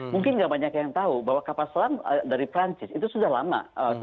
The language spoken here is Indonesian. mungkin nggak banyak yang tahu bahwa kapal selam dari perancis itu sudah lama